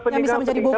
yang bisa menjadi bukti